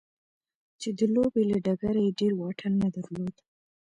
چې د لوبې له ډګره يې ډېر واټن نه درلود.